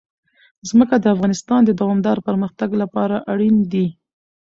ځمکه د افغانستان د دوامداره پرمختګ لپاره اړین دي.